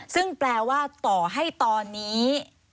ซึ่งแปลว่าต่อให้ตอนนี้